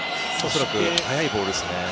恐らく速いボールですね。